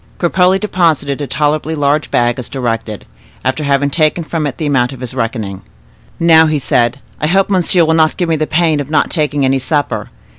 Cropole deposited a tolerably large bag as directed, after having taken from it the amount of his reckoning. "Now," said he, "I hope monsieur will not give me the pain of not taking any supper.